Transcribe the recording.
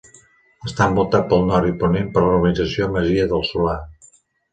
Està envoltat pel nord i ponent per la Urbanització Masia del Solà.